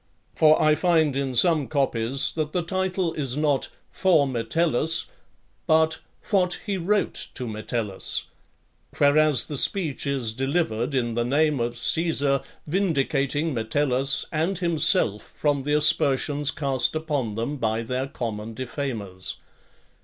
For I find in some copies that the title is not "For Metellus," but "What he wrote to Metellus;" whereas the speech is delivered in the name of Caesar, vindicating Metellus and himself from the aspersions cast upon them by their common defamers.